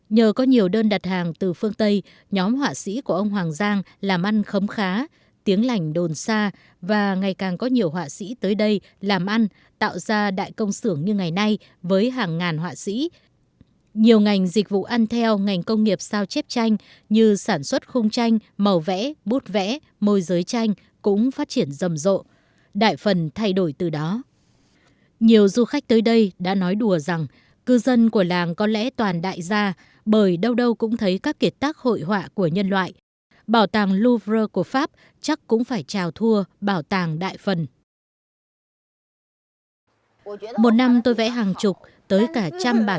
nhờ có nhiều đơn đặt hàng từ phương tây nhóm họa sĩ của ông hoàng giang làm ăn khá tiếng lành đồn xa tiếng lành đồn xa tiếng lành đồn xa tiếng lành đồn xa tiếng lành đồn xa tiếng lành đồn xa tiếng lành đồn xa tiếng lành đồn xa tiếng lành đồn xa tiếng lành đồn xa tiếng lành đồn xa tiếng lành đồn xa tiếng lành đồn xa tiếng lành đồn xa tiếng lành đồn xa tiếng lành đồn xa tiếng lành đồn xa tiếng lành đồn xa tiếng lành đồn xa